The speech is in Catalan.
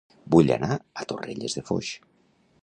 Vull anar a Torrelles de Foix